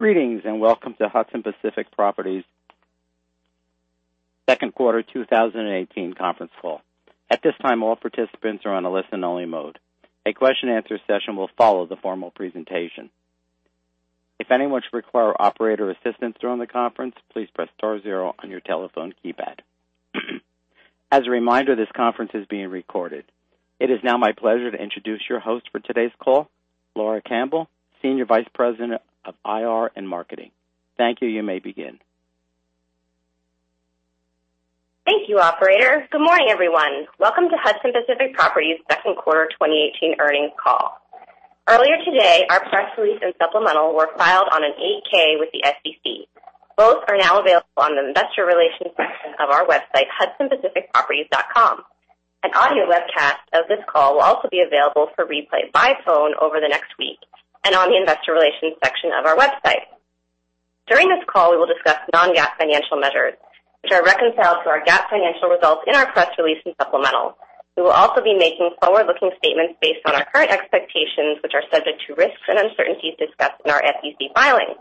Greetings, welcome to Hudson Pacific Properties' second quarter 2018 conference call. At this time, all participants are on a listen-only mode. A question-answer session will follow the formal presentation. If anyone should require operator assistance during the conference, please press star zero on your telephone keypad. As a reminder, this conference is being recorded. It is now my pleasure to introduce your host for today's call, Laura Campbell, Senior Vice President of IR and Marketing. Thank you. You may begin. Thank you, operator. Good morning, everyone. Welcome to Hudson Pacific Properties' second quarter 2018 earnings call. Earlier today, our press release and supplemental were filed on an 8-K with the SEC. Both are now available on the investor relations section of our website, hudsonpacificproperties.com. An audio webcast of this call will also be available for replay by phone over the next week, and on the investor relations section of our website. During this call, we will discuss non-GAAP financial measures, which are reconciled to our GAAP financial results in our press release and supplemental. We will also be making forward-looking statements based on our current expectations, which are subject to risks and uncertainties discussed in our SEC filings.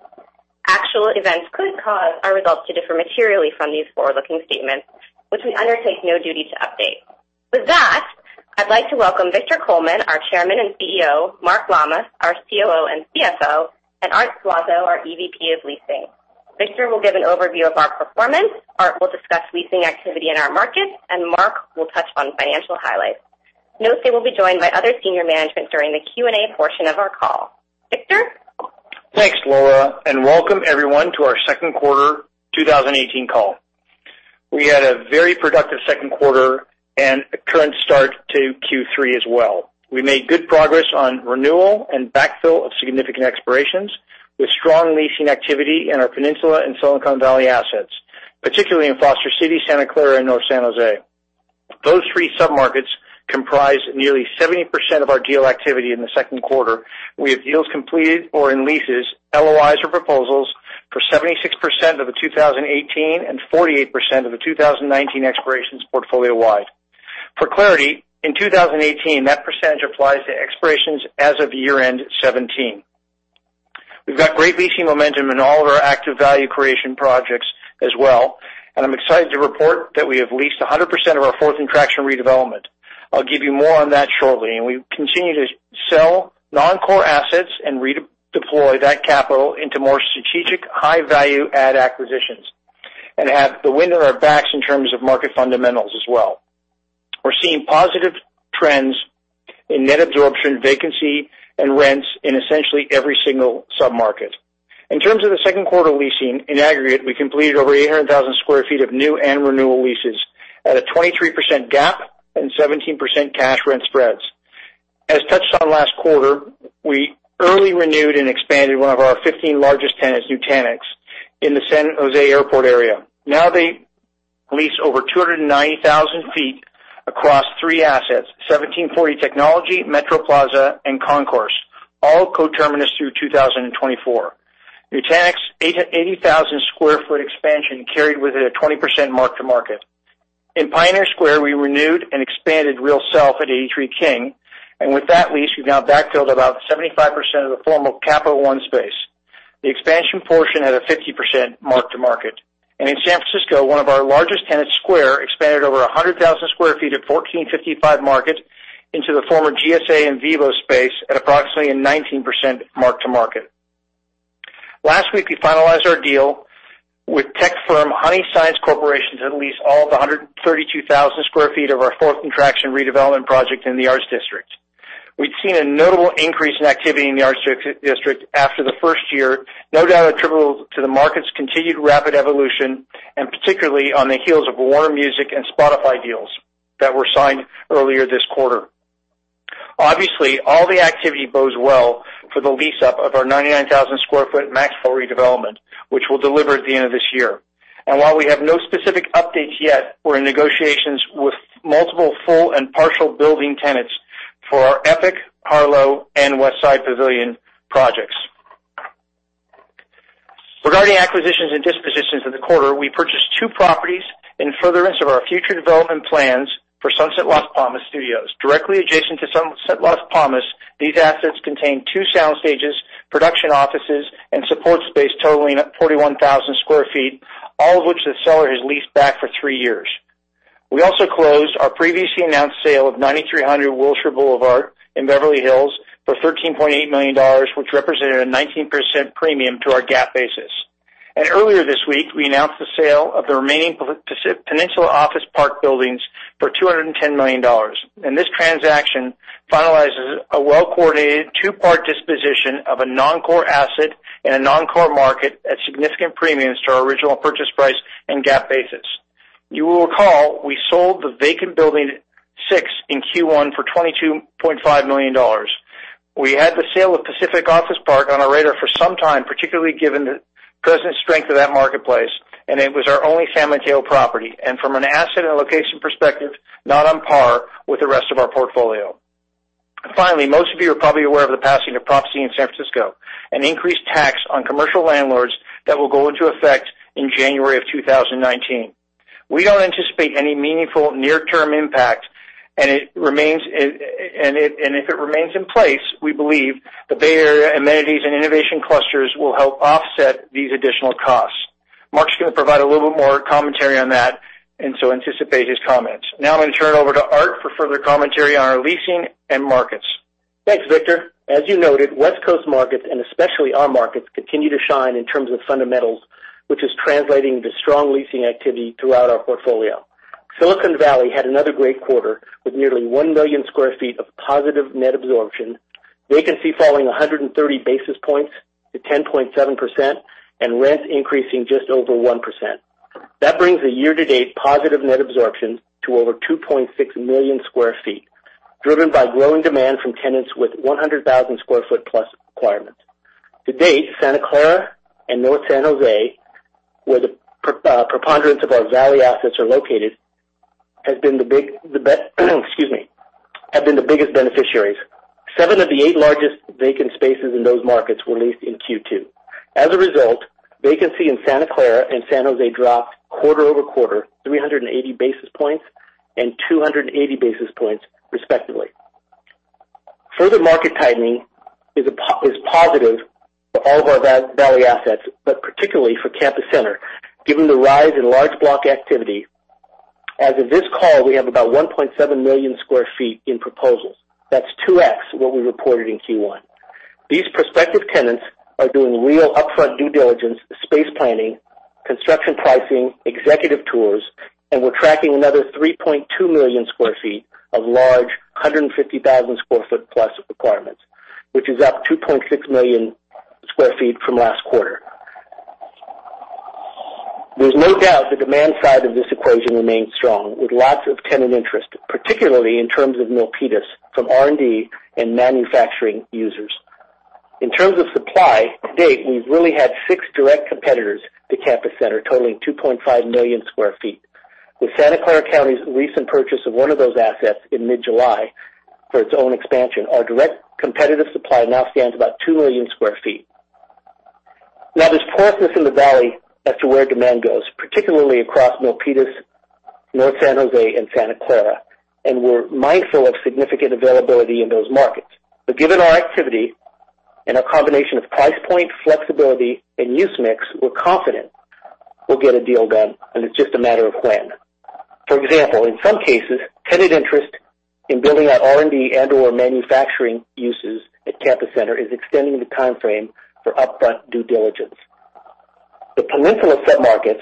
Actual events could cause our results to differ materially from these forward-looking statements, which we undertake no duty to update. With that, I'd like to welcome Victor Coleman, our Chairman and CEO, Mark T. Lammas, our COO and CFO, Art Suazo, our EVP of Leasing. Victor will give an overview of our performance, Art will discuss leasing activity in our markets, Mark will touch on financial highlights. Note they will be joined by other senior management during the Q&A portion of our call. Victor? Thanks, Laura, welcome everyone to our second quarter 2018 call. We had a very productive second quarter a current start to Q3 as well. We made good progress on renewal and backfill of significant expirations, with strong leasing activity in our Peninsula and Silicon Valley assets, particularly in Foster City, Santa Clara, and North San Jose. Those three sub-markets comprise nearly 70% of our deal activity in the second quarter, with deals completed or in leases, LOIs, or proposals for 76% of the 2018 and 48% of the 2019 expirations portfolio-wide. For clarity, in 2018, that percentage applies to expirations as of year-end '17. We've got great leasing momentum in all of our active value creation projects as well, I'm excited to report that we have leased 100% of our Fourth & Traction redevelopment. I'll give you more on that shortly. We continue to sell non-core assets and redeploy that capital into more strategic high-value-add acquisitions, and have the wind in our backs in terms of market fundamentals as well. We're seeing positive trends in net absorption, vacancy, and rents in essentially every single sub-market. In terms of the second quarter leasing, in aggregate, we completed over 800,000 sq ft of new and renewal leases at a 23% GAAP and 17% cash rent spreads. As touched on last quarter, we early renewed and expanded one of our 15 largest tenants, Nutanix, in the San Jose Airport area. Now they lease over 290,000 sq ft across three assets: 1740 Technology, Metro Plaza, and Concourse, all co-terminus through 2024. Nutanix, 80,000 sq ft expansion carried with it a 20% mark-to-market. In Pioneer Square, we renewed and expanded RealSelf at 83 King. With that lease, we've now backfilled about 75% of the former Capital One space. The expansion portion had a 50% mark-to-market. In San Francisco, one of our largest tenants, Square, expanded over 100,000 sq ft at 1455 Market into the former GSA and Vivo space at approximately a 19% mark-to-market. Last week, we finalized our deal with tech firm Honey Science Corporation to lease all of the 132,000 sq ft of our Fourth & Traction redevelopment project in the Arts District. We'd seen a notable increase in activity in the Arts District after the first year, no doubt attributable to the market's continued rapid evolution, and particularly on the heels of Warner Music and Spotify deals that were signed earlier this quarter. Obviously, all the activity bodes well for the lease-up of our 99,000 sq ft Maxwell redevelopment, which we'll deliver at the end of this year. While we have no specific updates yet, we're in negotiations with multiple full and partial building tenants for our Epic, Harlow, and Westside Pavilion projects. Regarding acquisitions and dispositions in the quarter, we purchased two properties in furtherance of our future development plans for Sunset Las Palmas Studios. Directly adjacent to Sunset Las Palmas, these assets contain two sound stages, production offices, and support space totaling 41,000 sq ft, all of which the seller has leased back for three years. We also closed our previously announced sale of 9300 Wilshire Boulevard in Beverly Hills for $13.8 million, which represented a 19% premium to our GAAP basis. Earlier this week, we announced the sale of the remaining Peninsula Office Park buildings for $210 million. This transaction finalizes a well-coordinated two-part disposition of a non-core asset in a non-core market at significant premiums to our original purchase price and GAAP basis. You will recall we sold the vacant building six in Q1 for $22.5 million. We had the sale of Peninsula Office Park on our radar for some time, particularly given the present strength of that marketplace, and it was our only San Mateo property, and from an asset and location perspective, not on par with the rest of our portfolio. Finally, most of you are probably aware of the passing of Proposition C in San Francisco, an increased tax on commercial landlords that will go into effect in January 2019. We don't anticipate any meaningful near-term impact, and if it remains in place, we believe the Bay Area amenities and innovation clusters will help offset these additional costs. Mark's going to provide a little bit more commentary on that. Anticipate his comments. I'm going to turn it over to Art for further commentary on our leasing and markets. Thanks, Victor. As you noted, West Coast markets, and especially our markets, continue to shine in terms of fundamentals, which is translating to strong leasing activity throughout our portfolio. Silicon Valley had another great quarter, with nearly 1 million sq ft of positive net absorption, vacancy falling 130 basis points to 10.7%, and rents increasing just over 1%. That brings the year-to-date positive net absorption to over 2.6 million sq ft, driven by growing demand from tenants with 100,000 sq ft-plus requirements. To date, Santa Clara and North San Jose, where the preponderance of our Valley assets are located, have been the biggest beneficiaries. Seven of the eight largest vacant spaces in those markets were leased in Q2. As a result, vacancy in Santa Clara and San Jose dropped quarter-over-quarter 380 basis points and 280 basis points respectively. Further market tightening is positive for all of our Valley assets, but particularly for Campus Center, given the rise in large block activity. As of this call, we have about 1.7 million sq ft in proposals. That's 2x what we reported in Q1. These prospective tenants are doing real upfront due diligence, space planning, construction pricing, executive tours, and we're tracking another 3.2 million sq ft of large 150,000 sq ft-plus requirements, which is up 2.6 million sq ft from last quarter. There's no doubt the demand side of this equation remains strong, with lots of tenant interest, particularly in terms of Milpitas from R&D and manufacturing users. In terms of supply, to date, we've really had six direct competitors to Campus Center totaling 2.5 million sq ft. With Santa Clara County's recent purchase of one of those assets in mid-July for its own expansion, our direct competitive supply now stands about 2 million sq ft. There's closeness in the valley as to where demand goes, particularly across Milpitas, North San Jose, and Santa Clara, and we're mindful of significant availability in those markets. Given our activity and our combination of price point flexibility and use mix, we're confident we'll get a deal done, and it's just a matter of when. For example, in some cases, tenant interest in building out R&D and/or manufacturing uses at Campus Center is extending the timeframe for upfront due diligence. The peninsula sub-markets,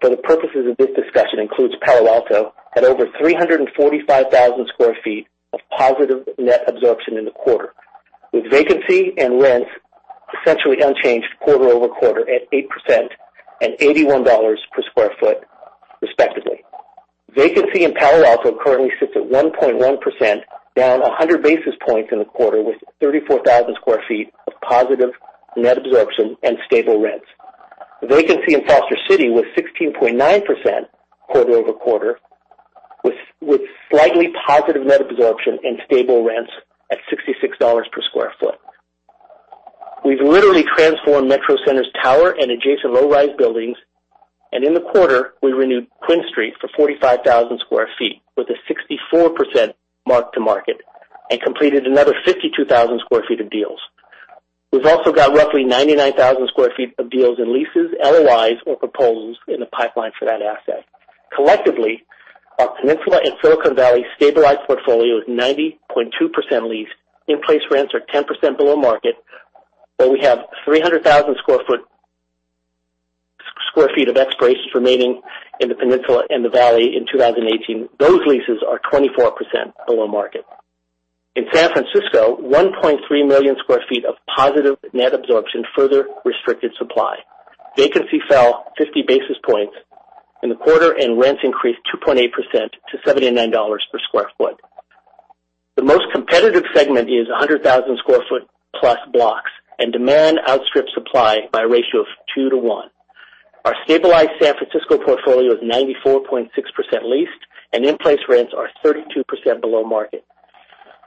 for the purposes of this discussion, includes Palo Alto at over 345,000 square feet of positive net absorption in the quarter, with vacancy and rents essentially unchanged quarter-over-quarter at 8% and $81 per square foot respectively. Vacancy in Palo Alto currently sits at 1.1%, down 100 basis points in the quarter, with 34,000 square feet of positive net absorption and stable rents. Vacancy in Foster City was 16.9% quarter-over-quarter, with slightly positive net absorption and stable rents at $66 per square foot. We've literally transformed Metro Center's tower and adjacent low-rise buildings, and in the quarter, we renewed QuinStreet for 45,000 square feet, with a 64% mark-to-market, and completed another 52,000 square feet of deals. We've also got roughly 99,000 square feet of deals in leases, LOIs, or proposals in the pipeline for that asset. Collectively, our peninsula and Silicon Valley stabilized portfolio is 90.2% leased. In-place rents are 10% below market, but we have 300,000 square feet of expirations remaining in the peninsula and the valley in 2018. Those leases are 24% below market. In San Francisco, 1.3 million square feet of positive net absorption further restricted supply. Vacancy fell 50 basis points in the quarter, and rents increased 2.8% to $79 per square foot. The most competitive segment is 100,000 square foot plus blocks, and demand outstrips supply by a ratio of two to one. Our stabilized San Francisco portfolio is 94.6% leased, and in-place rents are 32% below market.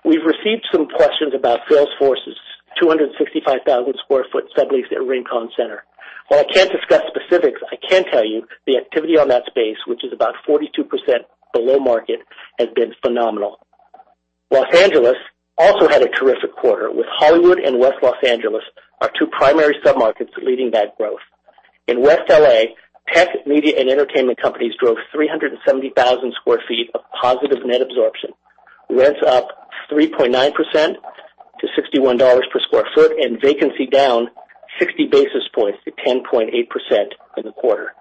We've received some questions about Salesforce's 265,000 square foot sublease at Rincon Center. While I can't discuss specifics, I can tell you the activity on that space, which is about 42% below market, has been phenomenal. Los Angeles also had a terrific quarter, with Hollywood and West L.A. our two primary sub-markets leading that growth. In West L.A., tech, media, and entertainment companies drove 370,000 square feet of positive net absorption, rents up 3.9% to $61 per square foot, and vacancy down 60 basis points to 10.8% in the quarter.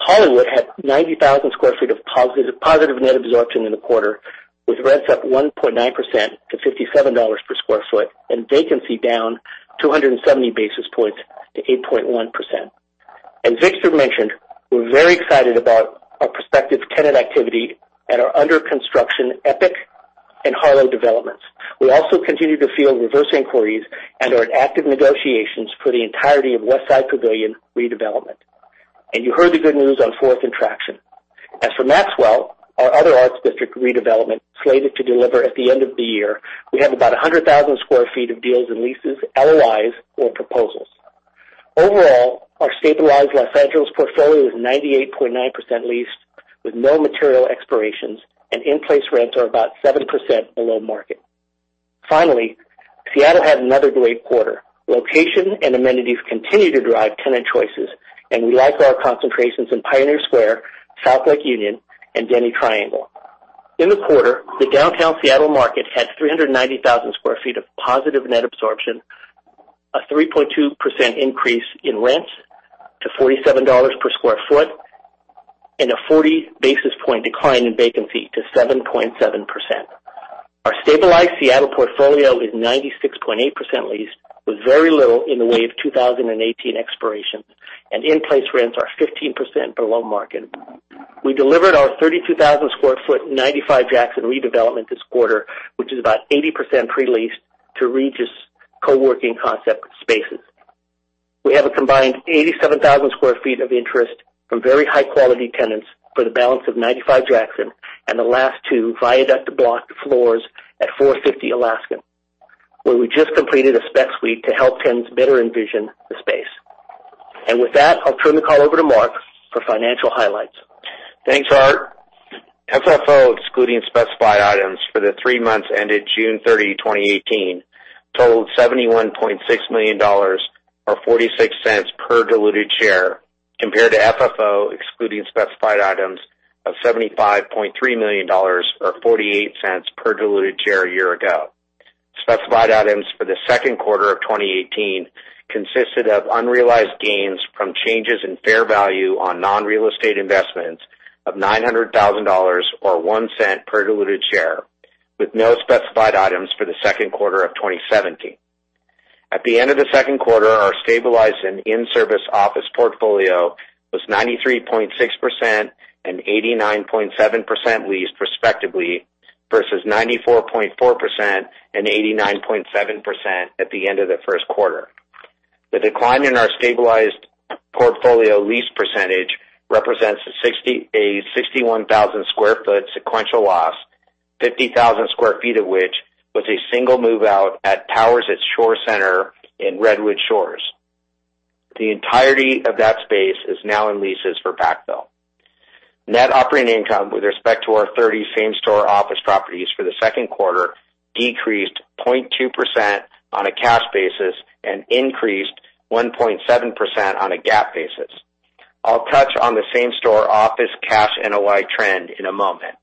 Hollywood had 90,000 square feet of positive net absorption in the quarter, with rents up 1.9% to $57 per square foot and vacancy down 270 basis points to 8.1%. As Victor mentioned, we're very excited about our prospective tenant activity at our under-construction Epic and Harlow developments. We also continue to field reverse inquiries and are in active negotiations for the entirety of Westside Pavilion redevelopment. You heard the good news on Fourth & Traction. As for Maxwell, our other Arts District redevelopment slated to deliver at the end of the year, we have about 100,000 square feet of deals in leases, LOIs, or proposals. Overall, our stabilized Los Angeles portfolio is 98.9% leased with no material expirations, and in-place rents are about 7% below market. Finally, Seattle had another great quarter. Location and amenities continue to drive tenant choices, and we like our concentrations in Pioneer Square, South Lake Union, and Denny Triangle. In the quarter, the downtown Seattle market had 390,000 square feet of positive net absorption, a 3.2% increase in rents to $47 per square foot, and a 40-basis point decline in vacancy to 7.7%. Our stabilized Seattle portfolio is 96.8% leased with very little in the way of 2018 expirations, and in-place rents are 15% below market. We delivered our 32,000 sq ft 95 Jackson redevelopment this quarter, which is about 80% pre-leased to Regus co-working concept Spaces. We have a combined 87,000 sq ft of interest from very high-quality tenants for the balance of 95 Jackson and the last two Viaduct block floors at 450 Alaskan, where we just completed a spec suite to help tenants better envision the space. With that, I'll turn the call over to Mark for financial highlights. Thanks, Art. FFO excluding specified items for the three months ended June 30, 2018, totaled $71.6 million, or $0.46 per diluted share, compared to FFO excluding specified items of $75.3 million or $0.48 per diluted share a year ago. Specified items for the second quarter of 2018 consisted of unrealized gains from changes in fair value on non-real estate investments of $900,000, or $0.01 per diluted share, with no specified items for the second quarter of 2017. At the end of the second quarter, our stabilized and in-service office portfolio was 93.6% and 89.7% leased respectively, versus 94.4% and 89.7% at the end of the first quarter. The decline in our stabilized portfolio lease percentage represents a 61,000 sq ft sequential loss, 50,000 sq ft of which was a single move-out at Towers at Shore Center in Redwood Shores. The entirety of that space is now in leases for backfill. Net operating income with respect to our 30 same-store office properties for the second quarter decreased 0.2% on a cash basis and increased 1.7% on a GAAP basis. I'll touch on the same-store office cash NOI trend in a moment.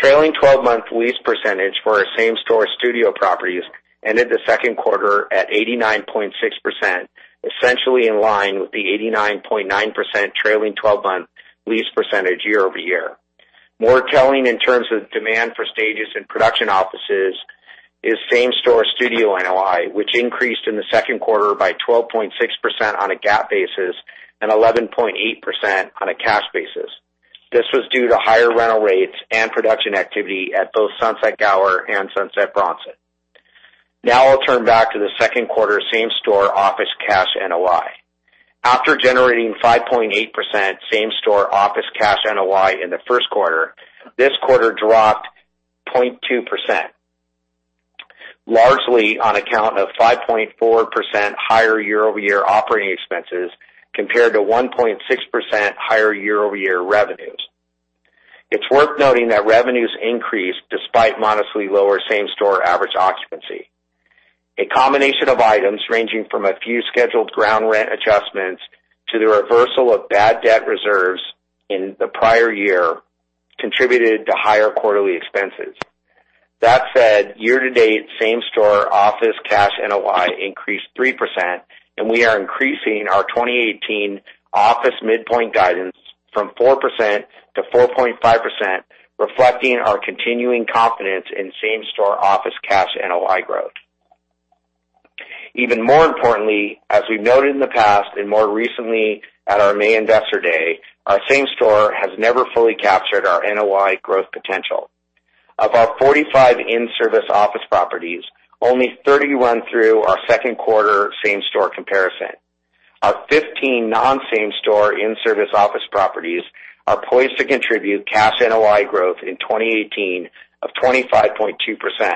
Trailing 12-month lease percentage for our same-store studio properties ended the second quarter at 89.6%, essentially in line with the 89.9% trailing 12-month lease percentage year-over-year. More telling in terms of demand for stages in production offices is same-store studio NOI, which increased in the second quarter by 12.6% on a GAAP basis and 11.8% on a cash basis. This was due to higher rental rates and production activity at both Sunset Gower and Sunset Bronson. I'll turn back to the second quarter same-store office cash NOI. After generating 5.8% same-store office cash NOI in the first quarter, this quarter dropped 0.2%, largely on account of 5.4% higher year-over-year operating expenses compared to 1.6% higher year-over-year revenues. It's worth noting that revenues increased despite modestly lower same-store average occupancy. A combination of items ranging from a few scheduled ground rent adjustments to the reversal of bad debt reserves in the prior year contributed to higher quarterly expenses. That said, year-to-date same-store office cash NOI increased 3%. We are increasing our 2018 office midpoint guidance from 4% to 4.5%, reflecting our continuing confidence in same-store office cash NOI growth. Even more importantly, as we've noted in the past and more recently at our May Investor Day, our same store has never fully captured our NOI growth potential. Of our 45 in-service office properties, only 31 through our second quarter same-store comparison. Our 15 non-same-store in-service office properties are poised to contribute cash NOI growth in 2018 of 25.2%.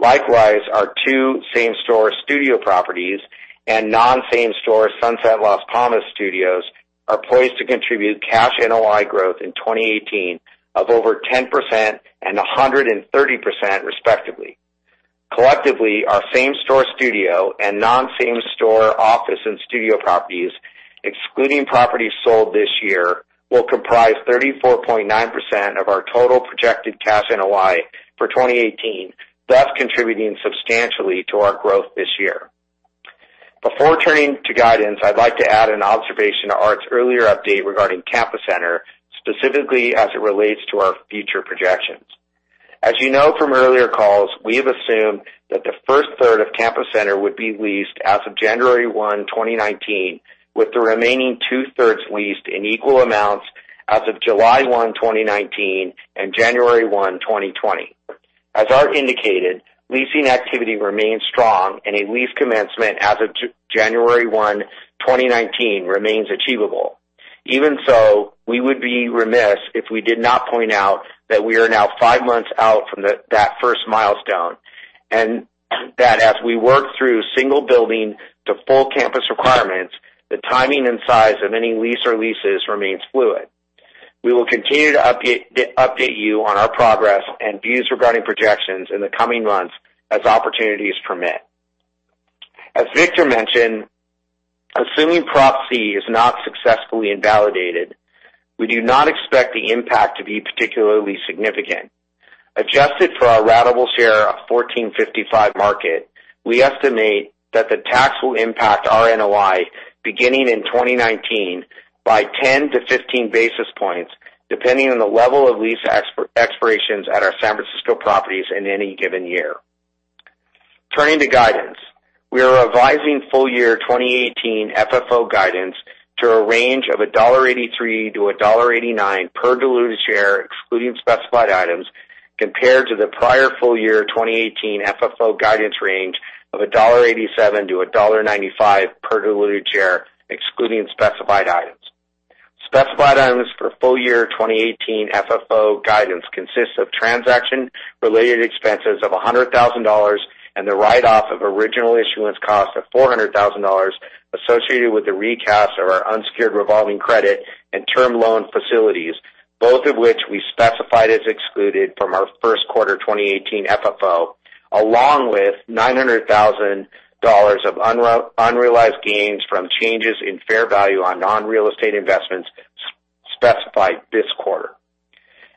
Likewise, our two same-store studio properties and non-same-store Sunset Las Palmas Studios are poised to contribute cash NOI growth in 2018 of over 10% and 130% respectively. Collectively, our same-store studio and non-same-store office and studio properties, excluding properties sold this year, will comprise 34.9% of our total projected cash NOI for 2018, thus contributing substantially to our growth this year. Before turning to guidance, I'd like to add an observation to Art's earlier update regarding Campus Center, specifically as it relates to our future projections. As you know from earlier calls, we have assumed that the first third of Campus Center would be leased as of January 1, 2019, with the remaining two-thirds leased in equal amounts as of July 1, 2019, and January 1, 2020. As Art indicated, leasing activity remains strong, and a lease commencement as of January 1, 2019, remains achievable. Even so, we would be remiss if we did not point out that we are now five months out from that first milestone, and that as we work through single building to full campus requirements, the timing and size of any lease or leases remains fluid. We will continue to update you on our progress and views regarding projections in the coming months as opportunities permit. As Victor mentioned, assuming Proposition C is not successfully invalidated, we do not expect the impact to be particularly significant. Adjusted for our ratable share of 1455 Market, we estimate that the tax will impact our NOI beginning in 2019 by 10 to 15 basis points, depending on the level of lease expirations at our San Francisco properties in any given year. Turning to guidance. We are revising full-year 2018 FFO guidance to a range of $1.83 to $1.89 per diluted share, excluding specified items, compared to the prior full-year 2018 FFO guidance range of $1.87 to $1.95 per diluted share, excluding specified items. Specified items for full-year 2018 FFO guidance consists of transaction-related expenses of $100,000, and the write-off of original issuance cost of $400,000 associated with the recast of our unsecured revolving credit and term loan facilities, both of which we specified as excluded from our first quarter 2018 FFO, along with $900,000 of unrealized gains from changes in fair value on non-real estate investments specified this quarter.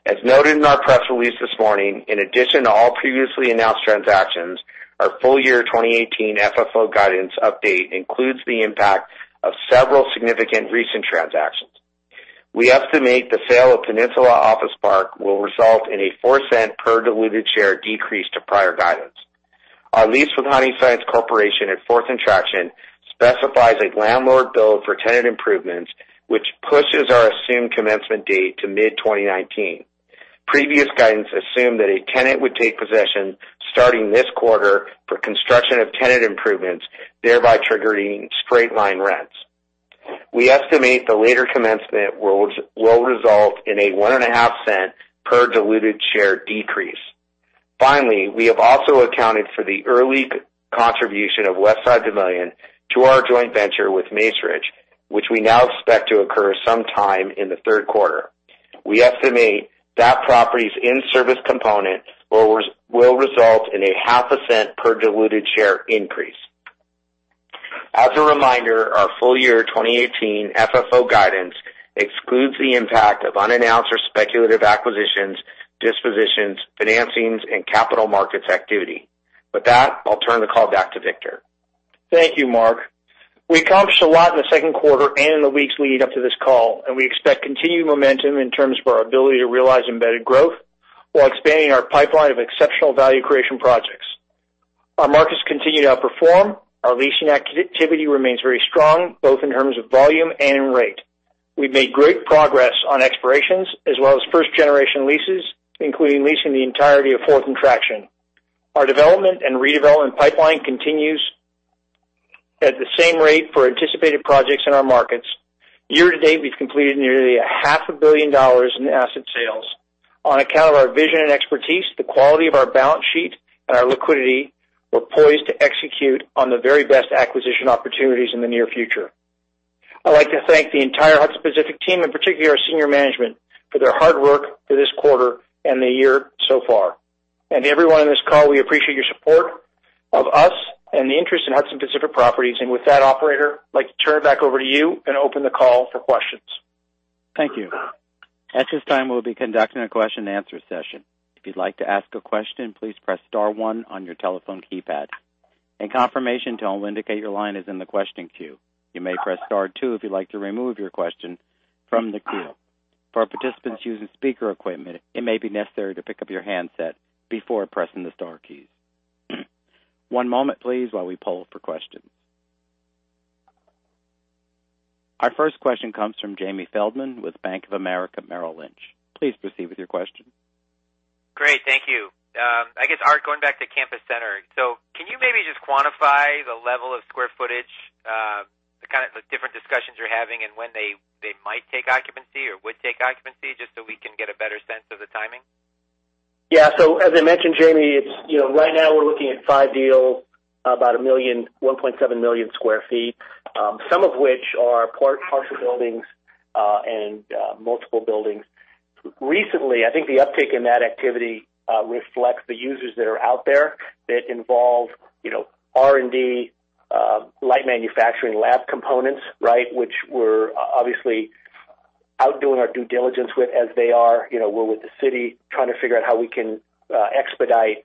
As noted in our press release this morning, in addition to all previously announced transactions, our full-year 2018 FFO guidance update includes the impact of several significant recent transactions. We estimate the sale of Peninsula Office Park will result in a $0.04 per diluted share decrease to prior guidance. Our lease with Honey Science Corporation at Fourth & Traction specifies a landlord bill for tenant improvements, which pushes our assumed commencement date to mid-2019. Previous guidance assumed that a tenant would take possession starting this quarter for construction of tenant improvements, thereby triggering straight-line rents. We estimate the later commencement will result in a $0.015 per diluted share decrease. Finally, we have also accounted for the early contribution of Westside Pavilion to our joint venture with Macerich, which we now expect to occur sometime in the third quarter. We estimate that property's in-service component will result in a $0.005 per diluted share increase. As a reminder, our full-year 2018 FFO guidance excludes the impact of unannounced or speculative acquisitions, dispositions, financings, and capital markets activity. With that, I'll turn the call back to Victor. Thank you, Mark. We accomplished a lot in the second quarter and in the weeks leading up to this call, and we expect continued momentum in terms of our ability to realize embedded growth while expanding our pipeline of exceptional value creation projects. Our markets continue to outperform. Our leasing activity remains very strong, both in terms of volume and in rate. We've made great progress on expirations as well as first-generation leases, including leasing the entirety of Fourth & Traction. Our development and redevelopment pipeline continues at the same rate for anticipated projects in our markets. Year-to-date, we've completed nearly a half a billion dollars in asset sales. On account of our vision and expertise, the quality of our balance sheet, and our liquidity, we're poised to execute on the very best acquisition opportunities in the near future. I'd like to thank the entire Hudson Pacific team, and particularly our senior management, for their hard work for this quarter and the year so far. To everyone on this call, we appreciate your support of us and the interest in Hudson Pacific Properties. With that, operator, I'd like to turn it back over to you and open the call for questions. Thank you. At this time, we'll be conducting a question and answer session. If you'd like to ask a question, please press star one on your telephone keypad. A confirmation tone will indicate your line is in the question queue. You may press star two if you'd like to remove your question from the queue. For our participants using speaker equipment, it may be necessary to pick up your handset before pressing the star keys. One moment, please, while we poll for questions. Our first question comes from Jamie Feldman with Bank of America Merrill Lynch. Please proceed with your question. Great. Thank you. I guess, Art, going back to Campus Center. Can you maybe just quantify the level of square footage, the kind of different discussions you're having, and when they might take occupancy or would take occupancy, just so we can get a better sense of the timing? Yeah. As I mentioned, Jamie, right now we're looking at five deals, about 1.7 million square feet. Some of which are partial buildings and multiple buildings. Recently, I think the uptick in that activity reflects the users that are out there that involve R&D, light manufacturing lab components, which we're obviously out doing our due diligence with as they are. We're with the city trying to figure out how we can expedite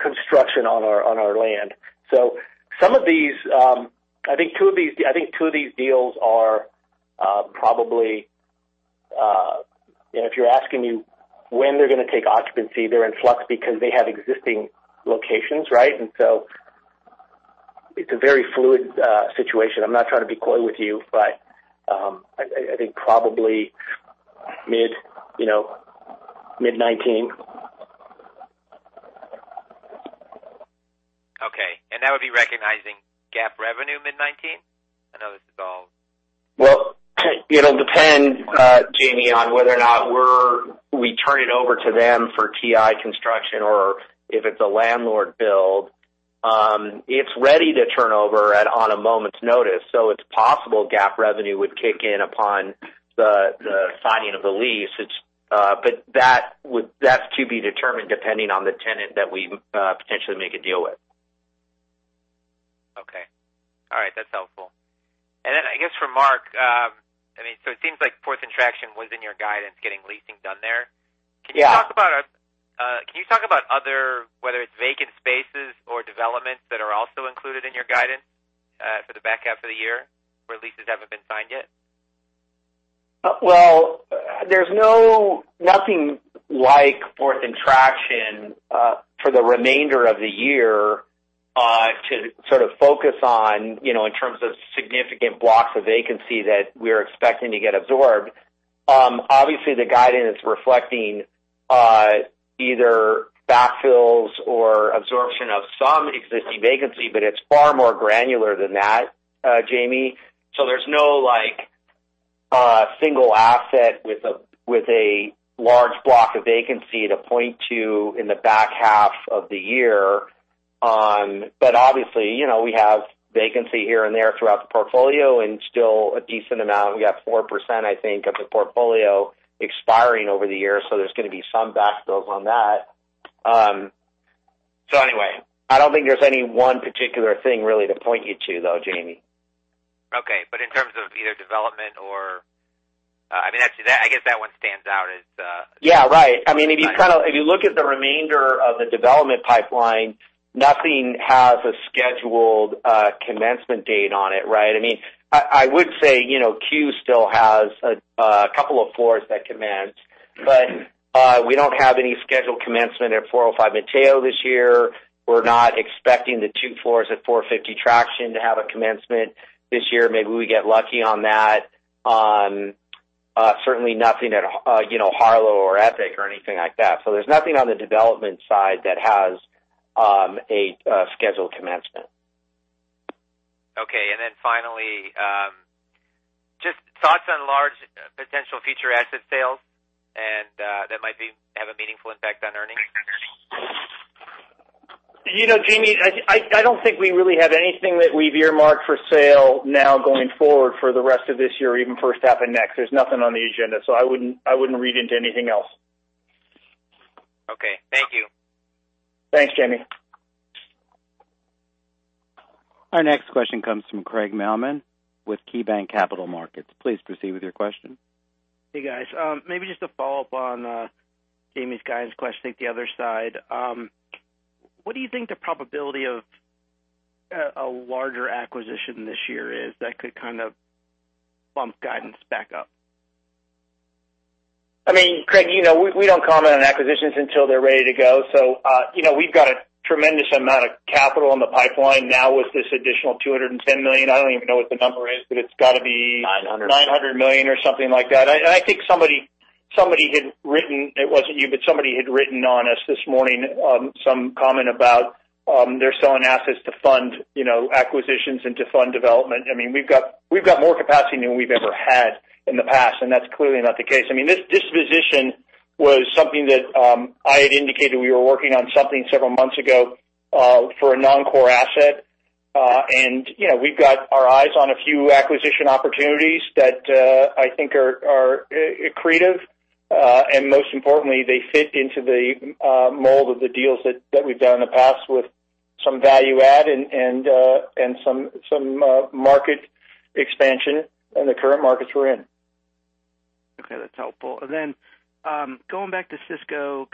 construction on our land. I think two of these deals are probably If you're asking me when they're going to take occupancy, they're in flux because they have existing locations. It's a very fluid situation. I'm not trying to be coy with you, but I think probably mid 2019. Okay. That would be recognizing GAAP revenue mid 2019? I know this is all. Well, it'll depend, Jamie, on whether or not we turn it over to them for TI construction or if it's a landlord build. It's ready to turn over on a moment's notice, so it's possible GAAP revenue would kick in upon the signing of the lease. That's to be determined depending on the tenant that we potentially make a deal with. Okay. All right. That's helpful. I guess for Mark, it seems like Fourth & Traction was in your guidance, getting leasing done there. Yeah. Can you talk about other, whether it's vacant spaces or developments that are also included in your guidance for the back half of the year, where leases haven't been signed yet? There's nothing like Fourth & Traction for the remainder of the year to sort of focus on in terms of significant blocks of vacancy that we're expecting to get absorbed. Obviously, the guidance is reflecting either backfills or absorption of some existing vacancy, but it's far more granular than that, Jamie. There's no single asset with a large block of vacancy to point to in the back half of the year. Obviously, we have vacancy here and there throughout the portfolio and still a decent amount. We got 4%, I think, of the portfolio expiring over the year, there's going to be some backfills on that. I don't think there's any one particular thing really to point you to though, Jamie. Okay. In terms of either development or I guess that one stands out as- Yeah, right. If you look at the remainder of the development pipeline, nothing has a scheduled commencement date on it, right? I would say Q still has a couple of floors that commence, but we don't have any scheduled commencement at 405 Mateo this year. We're not expecting the two floors at 450 Traction to have a commencement this year. Maybe we get lucky on that. Certainly nothing at Harlow or Epic or anything like that. There's nothing on the development side that has a scheduled commencement. Okay. Finally, just thoughts on large potential future asset sales that might have a meaningful impact on earnings. Jamie, I don't think we really have anything that we've earmarked for sale now going forward for the rest of this year or even first half of next. There's nothing on the agenda. I wouldn't read into anything else. Okay. Thank you. Thanks, Jamie. Our next question comes from Craig Mailman with KeyBanc Capital Markets. Please proceed with your question. Hey, guys. Maybe just to follow up on Jamie's guidance question, I think the other side. What do you think the probability of a larger acquisition this year is that could kind of bump guidance back up? Craig, we don't comment on acquisitions until they're ready to go. We've got a tremendous amount of capital in the pipeline now with this additional $210 million. I don't even know what the number is, but it's got to be. 900 $900 million or something like that. I think somebody had written, it wasn't you, but somebody had written on us this morning, some comment about they're selling assets to fund acquisitions and to fund development. We've got more capacity than we've ever had in the past, and that's clearly not the case. This disposition was something that I had indicated we were working on something several months ago for a non-core asset. We've got our eyes on a few acquisition opportunities that I think are accretive. Most importantly, they fit into the mold of the deals that we've done in the past with some value add and some market expansion in the current markets we're in. Okay, that's helpful. Then, going back to Cisco,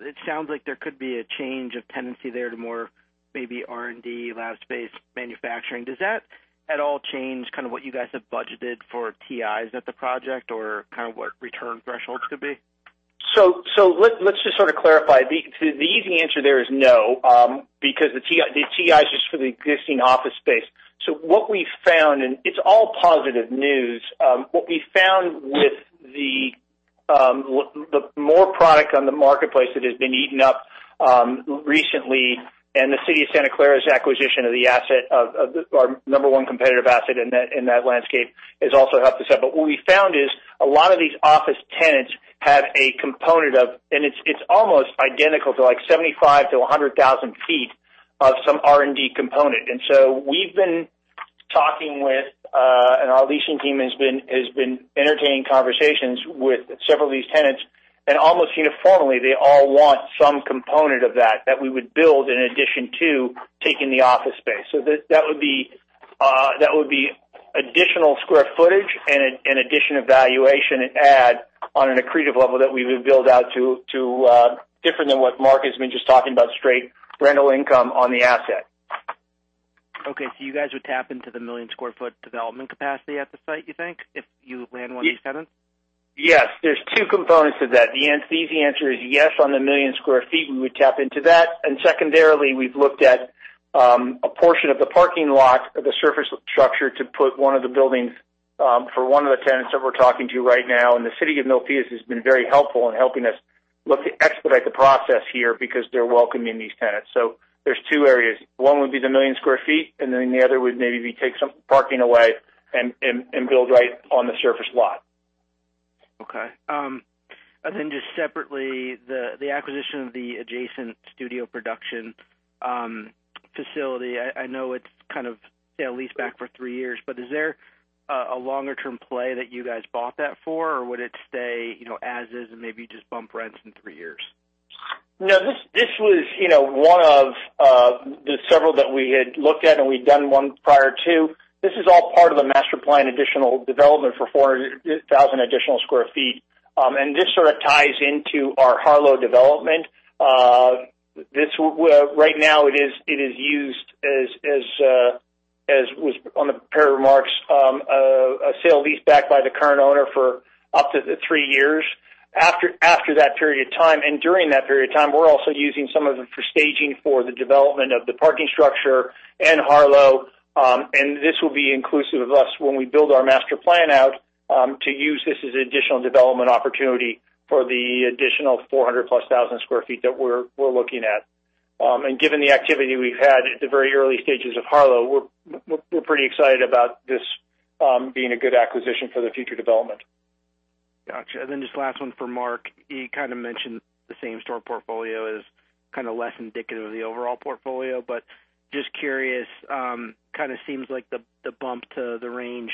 it sounds like there could be a change of tendency there to more maybe R&D, lab space manufacturing. Does that at all change kind of what you guys have budgeted for TIs at the project, or kind of what return thresholds could be? Let's just sort of clarify. The easy answer there is no, because the TI is just for the existing office space. What we found, and it's all positive news. What we found with the more product on the marketplace that has been eaten up recently and the City of Santa Clara's acquisition of our number one competitive asset in that landscape has also helped us out. What we found is a lot of these office tenants have a component of It's almost identical to 75,000-100,000 sq ft of some R&D component. We've been talking with, and our leasing team has been entertaining conversations with several of these tenants, and almost uniformly, they all want some component of that we would build in addition to taking the office space. That would be additional square footage and additional valuation add on an accretive level that we would build out to different than what Mark has been just talking about, straight rental income on the asset. Okay. You guys would tap into the million-square-foot development capacity at the site, you think, if you land one of these tenants? Yes. There's two components to that. The easy answer is yes on the million square feet, we would tap into that. Secondarily, we've looked at a portion of the parking lot of the surface structure to put one of the buildings for one of the tenants that we're talking to right now, and the City of Milpitas has been very helpful in helping us look to expedite the process here because they're welcoming these tenants. There's two areas. One would be the million square feet, and then the other would maybe take some parking away and build right on the surface lot. Okay. Then just separately, the acquisition of the adjacent studio production facility, I know it's kind of lease back for three years, but is there a longer-term play that you guys bought that for, or would it stay as is and maybe just bump rents in three years? No, this was one of the several that we had looked at, and we'd done one prior to. This is all part of a master plan additional development for 400,000 additional square feet. This sort of ties into our Harlow development. Right now it is used as was on the prepared remarks, a sale lease back by the current owner for up to three years. After that period of time and during that period of time, we're also using some of it for staging for the development of the parking structure in Harlow. This will be inclusive of us when we build our master plan out, to use this as additional development opportunity for the additional 400-plus thousand square feet that we're looking at. Given the activity we've had at the very early stages of Harlow, we're pretty excited about this being a good acquisition for the future development. Got you. Just last one for Mark. You kind of mentioned the same store portfolio as kind of less indicative of the overall portfolio, but just curious, kind of seems like the bump to the range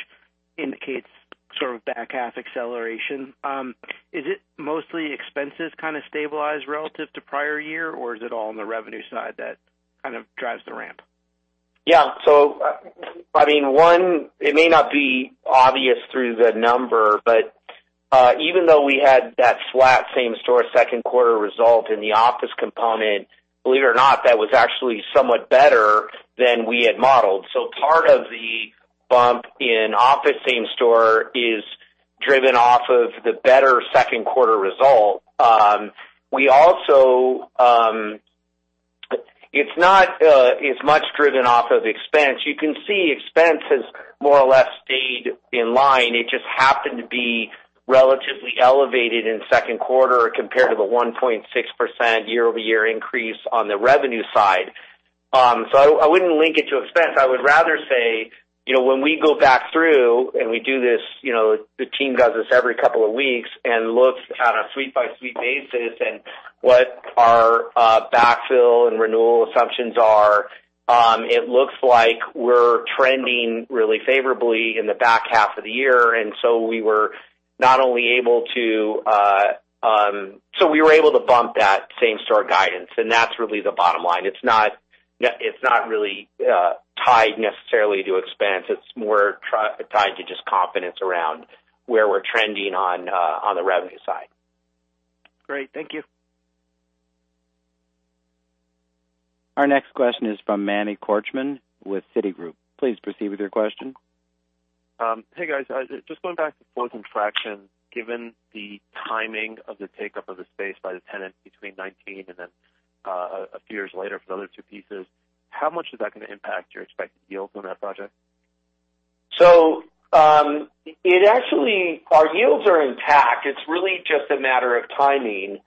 indicates sort of back half acceleration. Is it mostly expenses kind of stabilized relative to prior year, or is it all on the revenue side that kind of drives the ramp? Yeah. I mean, one, it may not be obvious through the number, but even though we had that flat same store second quarter result in the office component, believe it or not, that was actually somewhat better than we had modeled. Part of the bump in office same store is driven off of the better second quarter result. It's not as much driven off of expense. You can see expense has more or less stayed in line. It just happened to be relatively elevated in second quarter compared to the 1.6% year-over-year increase on the revenue side. I wouldn't link it to expense. I would rather say, when we go back through and we do this, the team does this every couple of weeks and looks on a suite-by-suite basis and what our backfill and renewal assumptions are. It looks like we're trending really favorably in the back half of the year. We were able to bump that same store guidance, and that's really the bottom line. It's not really tied necessarily to expense. It's more tied to just confidence around where we're trending on the revenue side. Great. Thank you. Our next question is from Manny Korchman with Citigroup. Please proceed with your question. Hey, guys. Just going back to Fourth and Traction, given the timing of the take-up of the space by the tenant between 2019 and then a few years later for the other two pieces, how much is that going to impact your expected yields on that project? Our yields are intact. It's really just a matter of timing.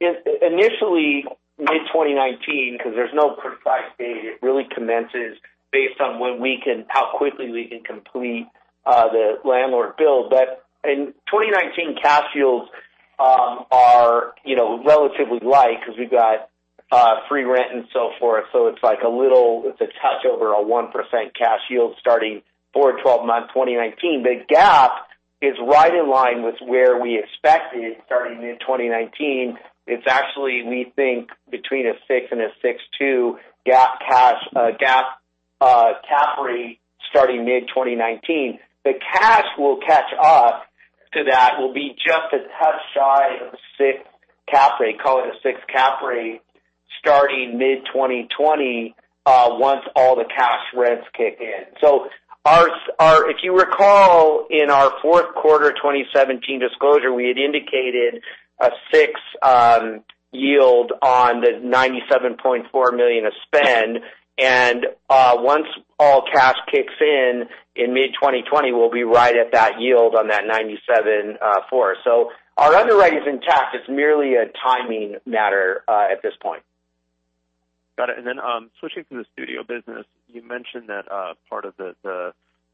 Initially mid-2019, because there's no precise date, it really commences based on how quickly we can complete the landlord build. In 2019, cash yields are relatively light because we've got free rent and so forth. It's like a little touch over a 1% cash yield starting for 12 months 2019. GAAP is right in line with where we expected it starting mid-2019. It's actually, we think, between a six and a 6.2 GAAP CAP rate starting mid-2019. The cash will catch up to that, will be just a touch shy of a six CAP rate, call it a six CAP rate, starting mid-2020, once all the cash rents kick in. If you recall, in our fourth quarter 2017 disclosure, we had indicated a six yield on the $97.4 million of spend, and once all cash kicks in in mid-2020, we'll be right at that yield on that $97.4. Our underwriting is intact. It's merely a timing matter at this point. Got it. Switching to the studio business, you mentioned that part of the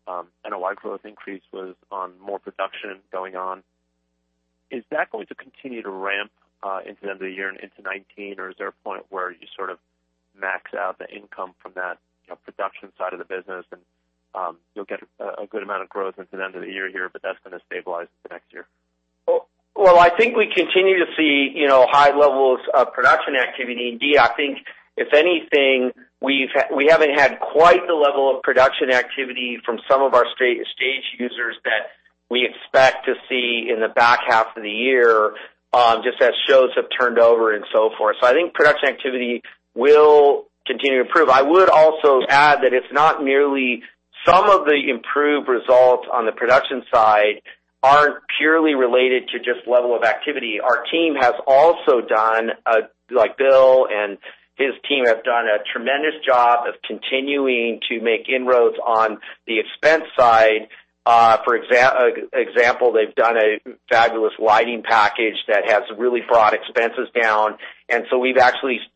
NOI growth increase was on more production going on. Is that going to continue to ramp into the end of the year and into 2019, or is there a point where you sort of max out the income from that production side of the business, and you'll get a good amount of growth into the end of the year here, but that's going to stabilize into next year? I think we continue to see high levels of production activity. Indeed, I think if anything, we haven't had quite the level of production activity from some of our stage users that we expect to see in the back half of the year, just as shows have turned over and so forth. I think production activity will continue to improve. I would also add that some of the improved results on the production side aren't purely related to just level of activity. Our team has also done, like Bill His team have done a tremendous job of continuing to make inroads on the expense side. For example, they've done a fabulous lighting package that has really brought expenses down.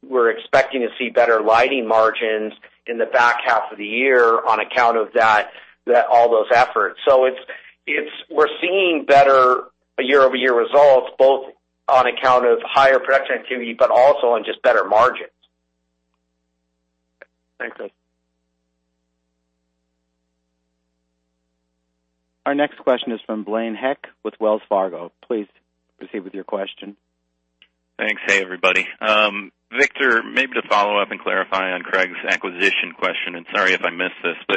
We're expecting to see better lighting margins in the back half of the year on account of all those efforts. We're seeing better year-over-year results, both on account of higher production activity, but also on just better margins. Thanks. Our next question is from Blaine Heck with Wells Fargo. Please proceed with your question. Thanks. Hey, everybody. Victor, maybe to follow up and clarify on Craig's acquisition question. Sorry if I missed this,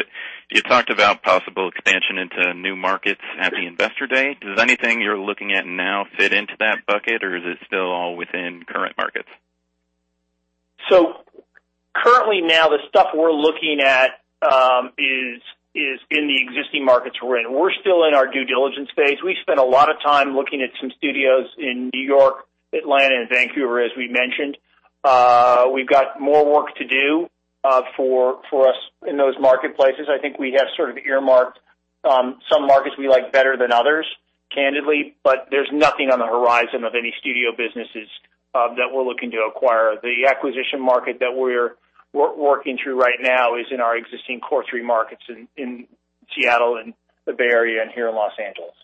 you talked about possible expansion into new markets at the Investor Day. Does anything you're looking at now fit into that bucket, or is it still all within current markets? Currently now the stuff we're looking at is in the existing markets we're in. We're still in our due diligence phase. We spent a lot of time looking at some studios in New York, Atlanta, and Vancouver, as we mentioned. We've got more work to do for us in those marketplaces. I think we have sort of earmarked some markets we like better than others, candidly. There's nothing on the horizon of any studio businesses that we're looking to acquire. The acquisition market that we're working through right now is in our existing core three markets in Seattle and the Bay Area and here in Los Angeles.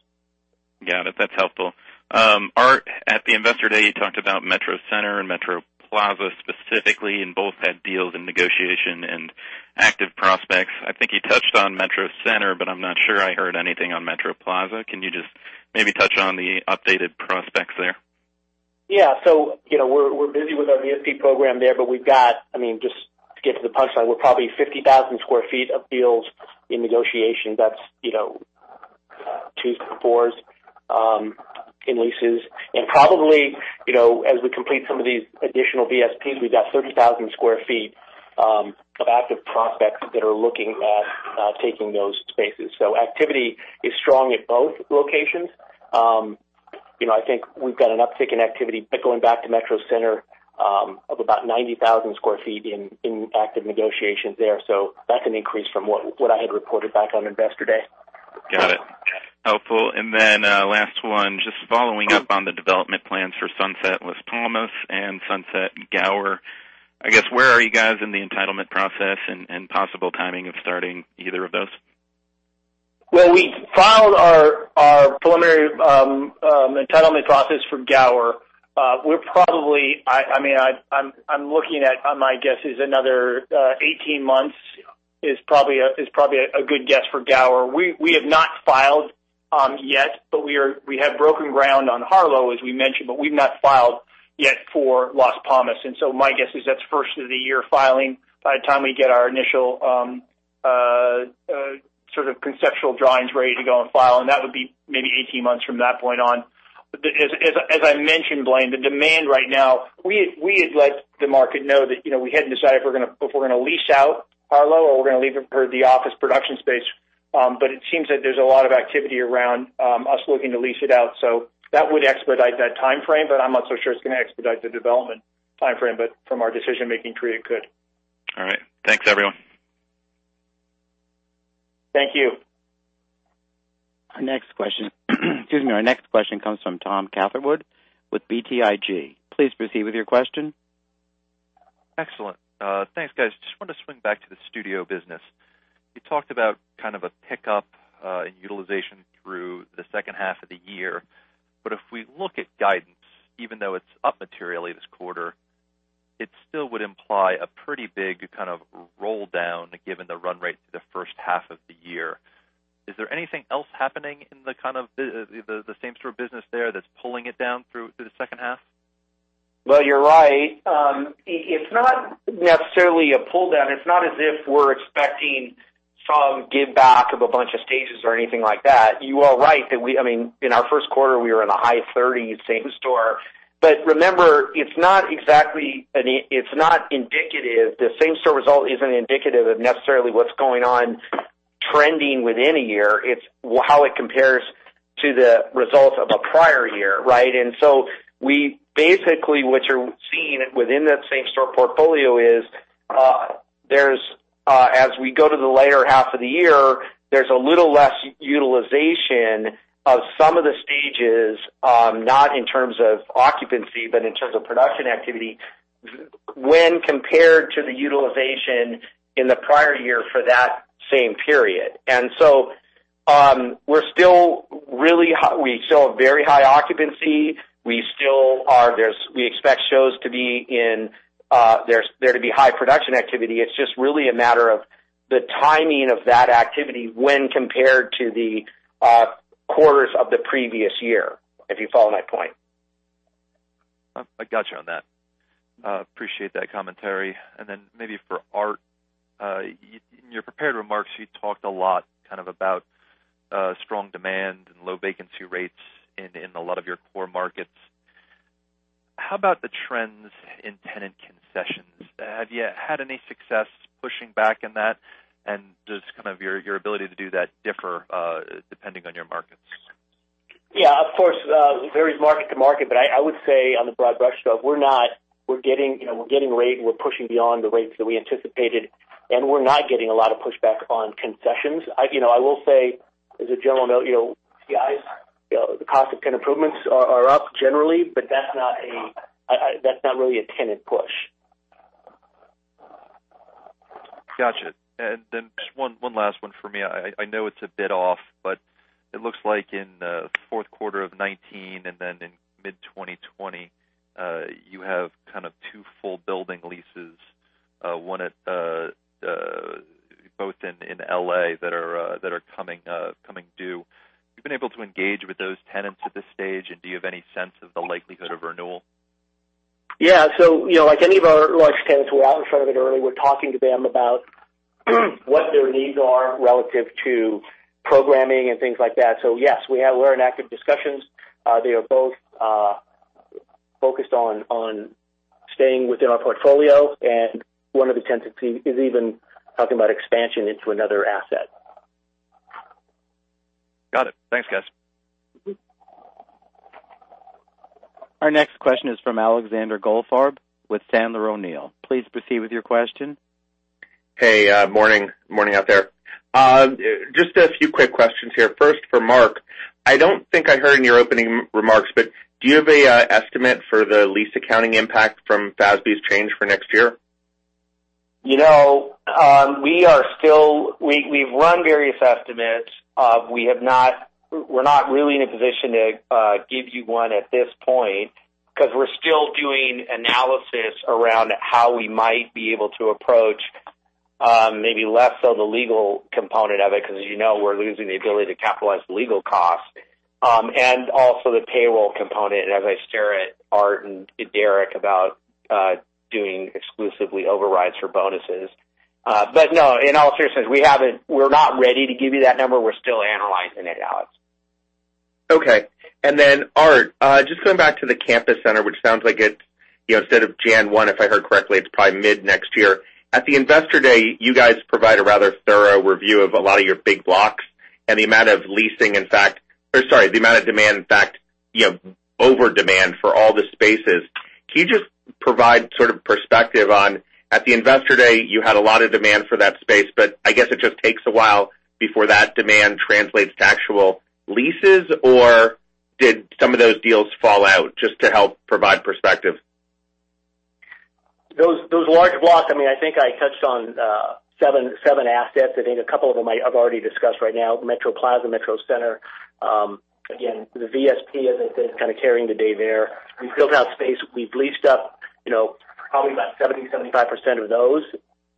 Got it. That's helpful. Art, at the Investor Day, you talked about Metro Center and Metro Plaza specifically. Both had deals in negotiation and active prospects. I think you touched on Metro Center. I'm not sure I heard anything on Metro Plaza. Can you just maybe touch on the updated prospects there? Yeah. We're busy with our VSP program there. We've got Just to get to the punchline, we're probably 50,000 sq ft of deals in negotiation. That's two floors in leases. Probably, as we complete some of these additional VSPs, we've got 30,000 sq ft of active prospects that are looking at taking those spaces. Activity is strong at both locations. I think we've got an uptick in activity, going back to Metro Center, of about 90,000 sq ft in active negotiations there. That's an increase from what I had reported back on Investor Day. Got it. Helpful. Last one, just following up on the development plans for Sunset Las Palmas and Sunset Gower. I guess, where are you guys in the entitlement process and possible timing of starting either of those? We filed our preliminary entitlement process for Gower. I'm looking at, my guess is another 18 months is probably a good guess for Gower. We have not filed yet, we have broken ground on Harlow, as we mentioned, we've not filed yet for Las Palmas. My guess is that's first of the year filing by the time we get our initial sort of conceptual drawings ready to go and file, and that would be maybe 18 months from that point on. As I mentioned, Blaine, the demand right now, we had let the market know that we hadn't decided if we're going to lease out Harlow or we're going to leave it for the office production space. It seems that there's a lot of activity around us looking to lease it out. That would expedite that timeframe, I'm not so sure it's going to expedite the development timeframe. From our decision-making tree, it could. All right. Thanks, everyone. Thank you. Our next question comes from Thomas Catherwood with BTIG. Please proceed with your question. Excellent. Thanks, guys. Just wanted to swing back to the studio business. You talked about kind of a pickup in utilization through the second half of the year, but if we look at guidance, even though it's up materially this quarter, it still would imply a pretty big kind of roll-down given the run rate through the first half of the year. Is there anything else happening in the kind of the same store business there that's pulling it down through the second half? Well, you're right. It's not necessarily a pull-down. It's not as if we're expecting some give back of a bunch of stages or anything like that. You are right that in our Q1, we were in the high 30s same store. Remember, the same store result isn't indicative of necessarily what's going on trending within a year. It's how it compares to the results of a prior year, right? Basically what you're seeing within that same store portfolio is, as we go to the later half of the year, there's a little less utilization of some of the stages, not in terms of occupancy, but in terms of production activity when compared to the utilization in the prior year for that same period. We still have very high occupancy. We expect there to be high production activity. It's just really a matter of the timing of that activity when compared to the quarters of the previous year. If you follow my point. I got you on that. Appreciate that commentary. Maybe for Art. In your prepared remarks, you talked a lot kind of about strong demand and low vacancy rates in a lot of your core markets. How about the trends in tenant concessions? Have you had any success pushing back in that? Does kind of your ability to do that differ depending on your markets? Yeah, of course, it varies market to market. I would say on the broad brush stroke, we're getting rate and we're pushing beyond the rates that we anticipated, we're not getting a lot of pushback on concessions. I will say as a general note, TIs, the cost of tenant improvements are up generally, that's not really a tenant push. Got you. Then just one last one for me. I know it's a bit off, but it looks like in the fourth quarter of 2019 and then in mid-2020, you have kind of two full building leases both in L.A. that are coming due. Have you been able to engage with those tenants at this stage, and do you have any sense of the likelihood of renewal? Yeah. Like any of our large tenants, we're out in front of it early. We're talking to them about what their needs are relative to programming and things like that. Yes, we're in active discussions. They are both focused on staying within our portfolio. One of the tenants is even talking about expansion into another asset. Got it. Thanks, guys. Our next question is from Alexander Goldfarb with Sandler O'Neill. Please proceed with your question. Hey, morning. Morning out there. Just a few quick questions here. First for Mark, I don't think I heard in your opening remarks, do you have an estimate for the lease accounting impact from FASB's change for next year? We've run various estimates. We're not really in a position to give you one at this point because we're still doing analysis around how we might be able to approach maybe less of the legal component of it, because as you know, we're losing the ability to capitalize legal costs, also the payroll component, and as I stare at Art and Derek about doing exclusively overrides for bonuses. No, in all seriousness, we're not ready to give you that number. We're still analyzing it, Alex. Okay. Art, just going back to the Campus Center, which sounds like it's instead of January 1, if I heard correctly, it's probably mid-next year. At the Investor Day, you guys provide a rather thorough review of a lot of your big blocks and the amount of leasing in fact, the amount of demand, in fact, over demand for all the spaces. Can you just provide sort of perspective on, at the Investor Day, you had a lot of demand for that space, I guess it just takes a while before that demand translates to actual leases, or did some of those deals fall out? Just to help provide perspective. Those large blocks, I think I touched on seven assets. I think a couple of them I've already discussed right now, Metro Plaza, Metro Center. Again, the VSP as I said, is kind of carrying the day there. We've filled out space. We've leased up probably about 70%-75% of those.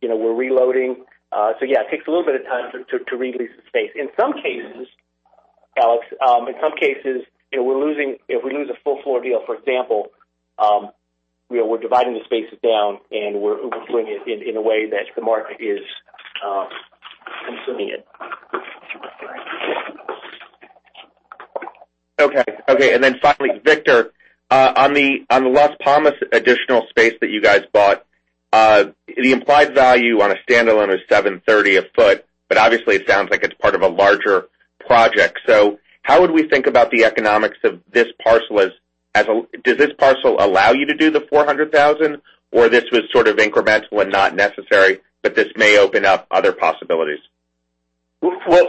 We're reloading. Yeah, it takes a little bit of time to re-lease the space. In some cases, Alex, if we lose a full-floor deal, for example, we're dividing the spaces down and we're Uber-pooling it in a way that the market is consuming it. Finally, Victor, on the Las Palmas additional space that you guys bought, the implied value on a standalone is $730 a foot, obviously, it sounds like it's part of a larger project. How would we think about the economics of this parcel? Does this parcel allow you to do the 400,000, or this was sort of incremental and not necessary, but this may open up other possibilities? It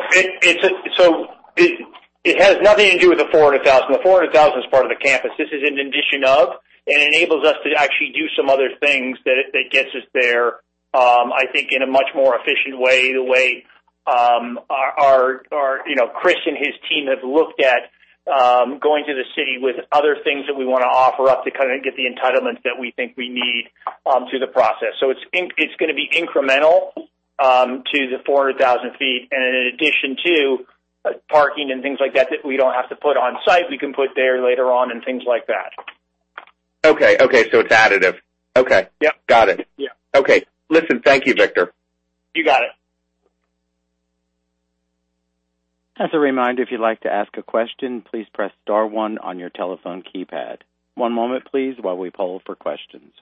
has nothing to do with the 400,000. The 400,000 is part of the campus. This is in addition of, and enables us to actually do some other things that gets us there, I think in a much more efficient way, the way Chris and his team have looked at going to the city with other things that we want to offer up to kind of get the entitlements that we think we need through the process. It's going to be incremental to the 400,000 feet, and in addition to parking and things like that we don't have to put on site, we can put there later on and things like that. Okay. It's additive. Okay. Yep. Got it. Yeah. Okay. Listen, thank you, Victor. You got it. As a reminder, if you'd like to ask a question, please press star one on your telephone keypad. One moment please, while we poll for questions.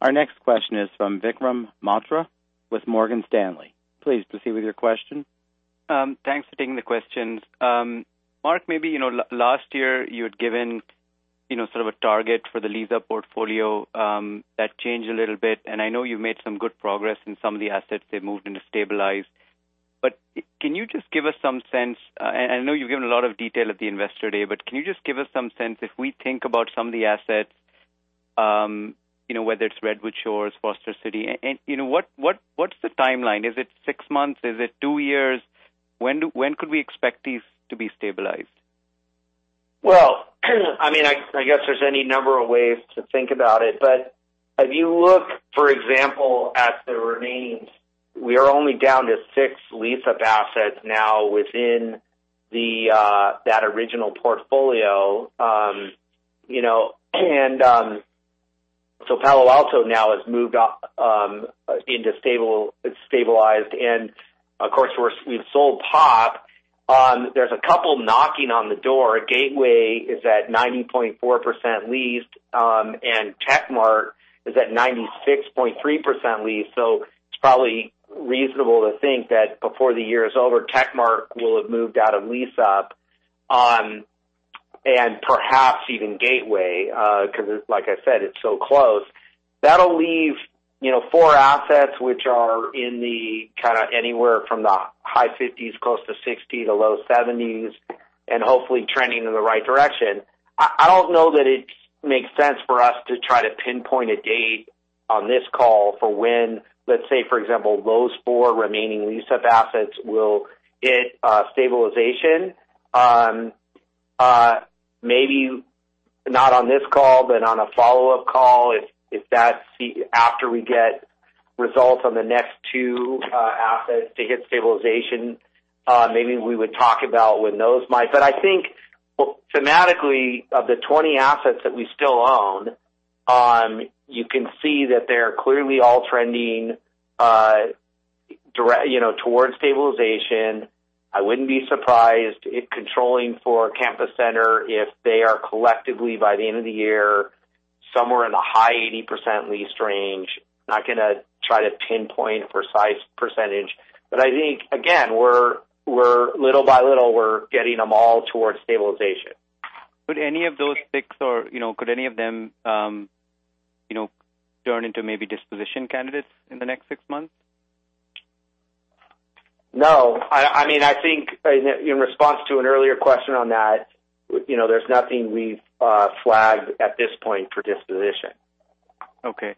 Our next question is from Vikram Malhotra with Morgan Stanley. Please proceed with your question. Thanks for taking the questions. Mark, maybe last year you had given sort of a target for the lease-up portfolio, that changed a little bit, and I know you've made some good progress in some of the assets they've moved into stabilized. Can you just give us some sense, and I know you've given a lot of detail at the Investor Day, can you just give us some sense, if we think about some of the assets, whether it's Redwood Shores, Foster City, and what's the timeline? Is it six months? Is it two years? When could we expect these to be stabilized? I guess there's any number of ways to think about it. If you look, for example, at the remainings, we are only down to six lease-up assets now within that original portfolio. Palo Alto now has moved into stabilized, and of course, we've sold POP. There's a couple knocking on the door. Gateway is at 90.4% leased, and Techmart is at 96.3% leased. It's probably reasonable to think that before the year is over, Techmart will have moved out of lease-up. Perhaps even Gateway, because like I said, it's so close. That'll leave four assets which are in the kind of anywhere from the high 50s, close to 60 to low 70s, and hopefully trending in the right direction. I don't know that it makes sense for us to try to pinpoint a date on this call for when, let's say, for example, those four remaining lease-up assets will hit stabilization. Maybe not on this call, but on a follow-up call, if that's after we get results on the next two assets to hit stabilization, maybe we would talk about when those might. I think thematically, of the 20 assets that we still own, you can see that they're clearly all trending towards stabilization. I wouldn't be surprised if controlling for Campus Center, if they are collectively, by the end of the year, somewhere in the high 80% lease range. Not going to try to pinpoint a precise percentage. I think, again, little by little, we're getting them all towards stabilization. Could any of those six turn into maybe disposition candidates in the next six months? No. I think in response to an earlier question on that, there's nothing we've flagged at this point for disposition. Okay.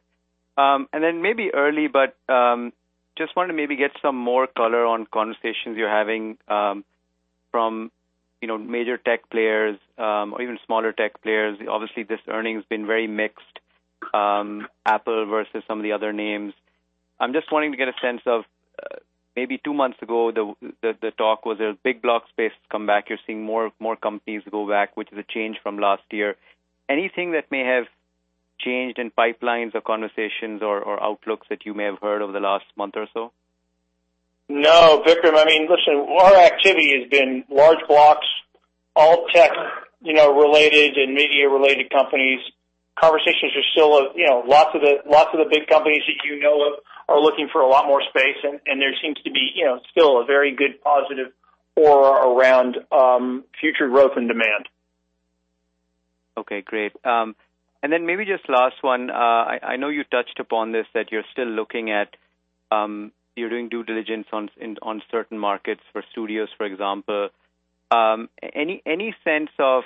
Maybe early, but just wanted to maybe get some more color on conversations you're having from major tech players, or even smaller tech players. Obviously, this earnings been very mixed, Apple versus some of the other names. I'm just wanting to get a sense of maybe two months ago, the talk was a big block space to come back. You're seeing more companies go back, which is a change from last year. Anything that may have changed in pipelines or conversations or outlooks that you may have heard over the last month or so? No, Vikram Malhotra. Listen, our activity has been large blocks, all tech-related and media-related companies. Conversations are. Lots of the big companies that you know of are looking for a lot more space, and there seems to be still a very good positive aura around future growth and demand. Okay, great. Maybe just last one. I know you touched upon this. You're doing due diligence on certain markets for studios, for example. Any sense of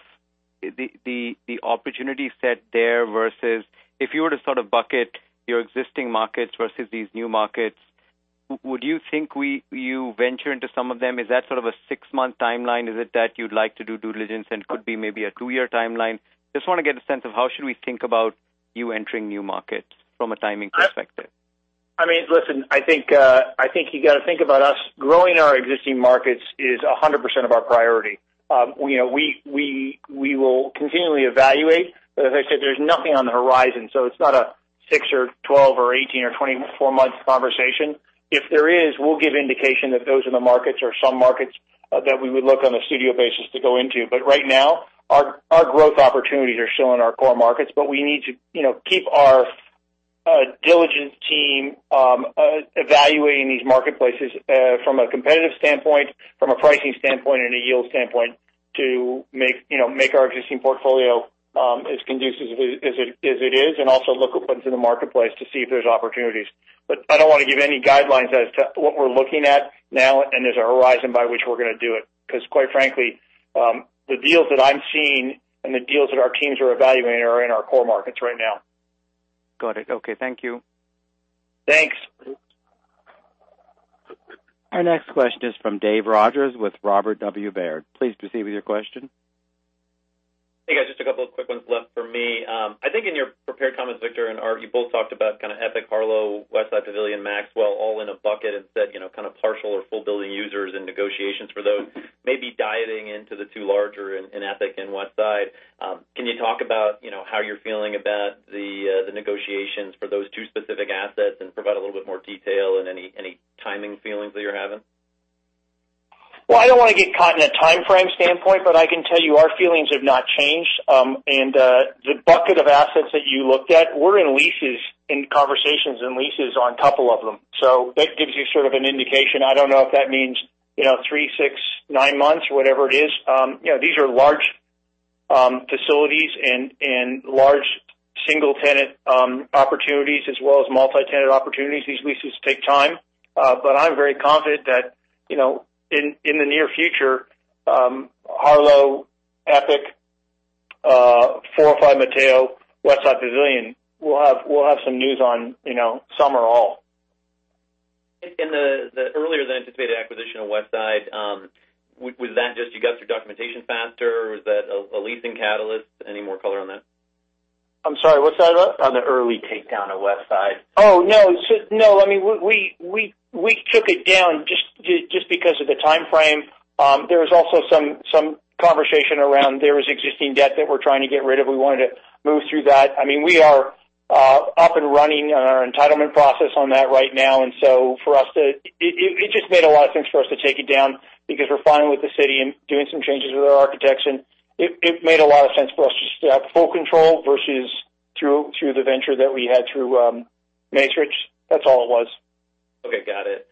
the opportunity set there versus if you were to sort of bucket your existing markets versus these new markets, would you think you venture into some of them? Is that sort of a six-month timeline? Is it that you'd like to do due diligence and could be maybe a two-year timeline? Just want to get a sense of how should we think about you entering new markets from a timing perspective. Listen, I think you got to think about us. Growing our existing markets is 100% of our priority. We will continually evaluate, but as I said, there's nothing on the horizon, so it's not a six or 12 or 18 or 24-month conversation. If there is, we'll give indication that those are the markets or some markets that we would look on a studio basis to go into. Right now, our growth opportunities are still in our core markets, but we need to keep our diligence team evaluating these marketplaces from a competitive standpoint, from a pricing standpoint, and a yield standpoint to make our existing portfolio as conducive as it is, and also look at what's in the marketplace to see if there's opportunities. I don't want to give any guidelines as to what we're looking at now and there's a horizon by which we're going to do it. Quite frankly, the deals that I'm seeing and the deals that our teams are evaluating are in our core markets right now. Got it. Okay. Thank you. Thanks. Our next question is from Dave Rodgers with Robert W. Baird. Please proceed with your question. Hey, guys, just a couple of quick ones left for me. I think in your prepared comments, Victor and Art, you both talked about kind of Epic, Harlow, Westside Pavilion, Maxwell, all in a bucket and said, kind of partial or full building users and negotiations for those. Maybe diving into the two larger in Epic and Westside. Can you talk about how you're feeling about the negotiations for those two specific assets and provide a little bit more detail and any timing feelings that you're having? I don't want to get caught in a timeframe standpoint, I can tell you our feelings have not changed. The bucket of assets that you looked at, we're in leases, in conversations and leases on a couple of them. That gives you sort of an indication. I don't know if that means three, six, nine months, whatever it is. These are large facilities and large single-tenant opportunities as well as multi-tenant opportunities. These leases take time. I'm very confident that in the near future Harlow, Epic, 405 Mateo, Westside Pavilion, we'll have some news on some or all. The earlier than anticipated acquisition of Westside, was that just you got your documentation faster, or is that a leasing catalyst? Any more color on that? I'm sorry, what side was that? The early take down of Westside. Oh, no. We took it down just because of the timeframe. There was also some conversation around there was existing debt that we're trying to get rid of. We wanted to move through that. We are up and running on our entitlement process on that right now. For us, it just made a lot of sense for us to take it down because we're fine with the city and doing some changes with our architects, and it made a lot of sense for us just to have full control versus through the venture that we had through Macerich. That's all it was. Okay, got it.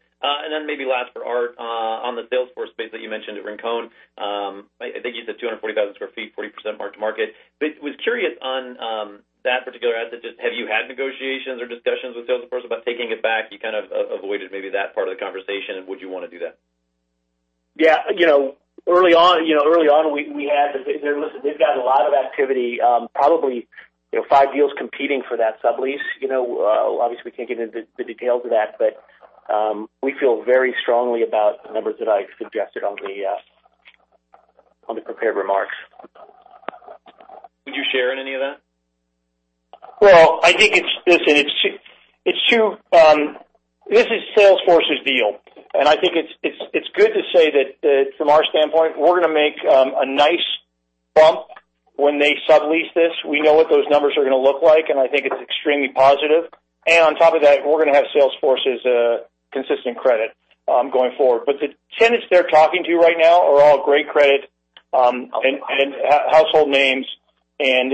Maybe last for Art, on the Salesforce space that you mentioned at Rincon. I think you said 240,000 sq ft, 40% marked to market. Was curious on that particular asset, just have you had negotiations or discussions with Salesforce about taking it back? You kind of avoided maybe that part of the conversation. Would you want to do that? Yeah. Early on, we had Listen, they've got a lot of activity, probably five deals competing for that sublease. Obviously, we can't get into the details of that, but we feel very strongly about the numbers that I suggested on the prepared remarks. Would you share any of that? I think it's true. This is Salesforce's deal, and I think it's good to say that from our standpoint, we're going to make a nice bump when they sublease this. We know what those numbers are going to look like, and I think it's extremely positive. On top of that, we're going to have Salesforce's consistent credit going forward. The tenants they're talking to right now are all great credit and household names, and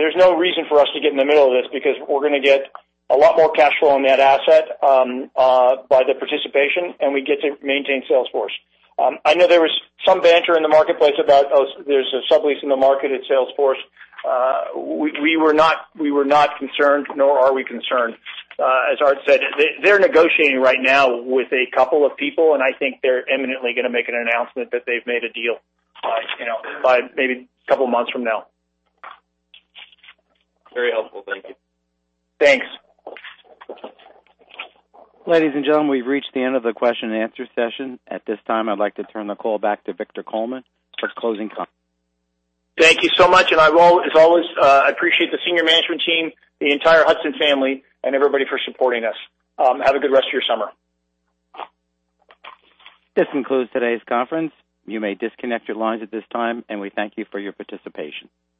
there's no reason for us to get in the middle of this because we're going to get a lot more cash flow on that asset by the participation, and we get to maintain Salesforce. I know there was some banter in the marketplace about, oh, there's a sublease in the market at Salesforce. We were not concerned, nor are we concerned. As Art said, they're negotiating right now with a couple of people, and I think they're imminently going to make an announcement that they've made a deal by maybe a couple of months from now. Very helpful. Thank you. Thanks. Ladies and gentlemen, we've reached the end of the question and answer session. At this time, I'd like to turn the call back to Victor Coleman for closing comments. Thank you so much. As always, I appreciate the senior management team, the entire Hudson family, and everybody for supporting us. Have a good rest of your summer. This concludes today's conference. You may disconnect your lines at this time, and we thank you for your participation.